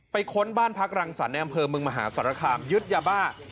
ค้นบ้านพักรังสรรค์ในอำเภอเมืองมหาสารคามยึดยาบ้า